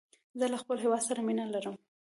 زه له خپل هیواد سره مینه لرم.